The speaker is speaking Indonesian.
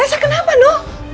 elsa kenapa noh